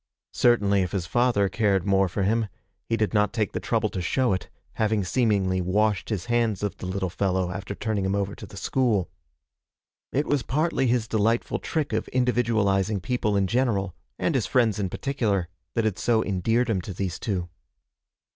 Certainly if his father cared more for him, he did not take the trouble to show it, having seemingly washed his hands of the little fellow after turning him over to the school. It was partly his delightful trick of individualizing people in general, and his friends in particular, that had so endeared him to these two.